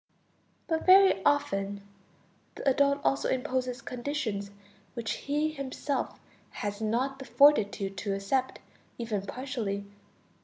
But very often the adult also imposes conditions which he himself has not the fortitude to accept even partially